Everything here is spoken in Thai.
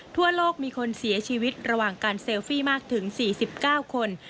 ทั่วโลกมีคนเสียชีวิตระหว่างการเซลฟี่มากถึง๔๙คน